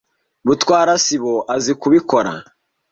Mutwara sibo azi kubikora.